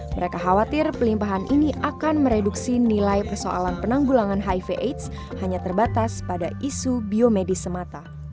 mereka khawatir pelimpahan ini akan mereduksi nilai persoalan penanggulangan hiv aids hanya terbatas pada isu biomedis semata